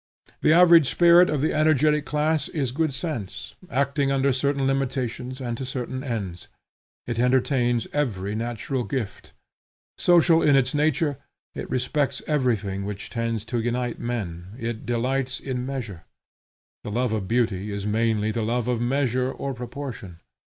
The average spirit of the energetic class is good sense, acting under certain limitations and to certain ends. It entertains every natural gift. Social in its nature, it respects everything which tends to unite men. It delights in measure. The love of beauty is mainly the love of measure or proportion.